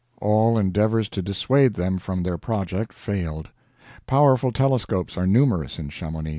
All endeavors to dissuade them from their project failed. Powerful telescopes are numerous in Chamonix.